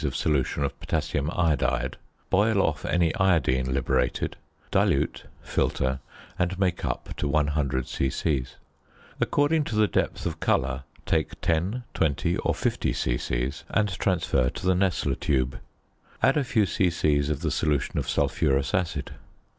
of solution of potassium iodide, boil off any iodine liberated, dilute, filter, and make up to 100 c.c. According to the depth of colour take 10, 20, or 50 c.c. and transfer to the Nessler tube. Add a few c.c. of the solution of sulphurous acid.